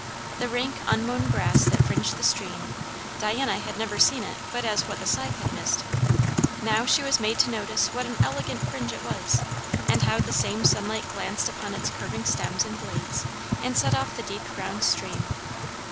The rank unmown grass that fringed the stream, Diana had never seen it but as what the scythe had missed; now she was made to notice what an elegant fringe it was, and how the same sunlight glanced upon its curving stems and blades, and set off the deep brown stream.